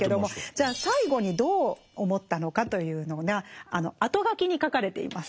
じゃあ最後にどう思ったのかというのが後書きに書かれています。